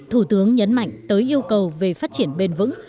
thủ tướng nhấn mạnh tới yêu cầu về phát triển bền vững